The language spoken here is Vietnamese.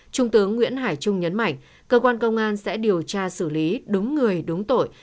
trung tướng nguyễn hải trung nhấn mạnh cơ quan công an sẽ điều tra xử lý đúng người đúng tội